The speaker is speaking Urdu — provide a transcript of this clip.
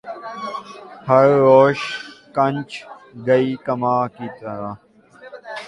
ہر روش کھنچ گئی کماں کی طرح